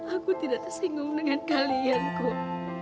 aku tidak tersinggung dengan kalian kok